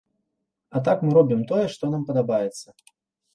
А так, мы робім тое, што нам падабаецца.